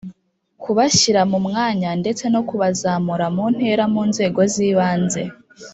kubashyira mu myanya ndetse no kubazamura mu ntera Mu nzego z ibanze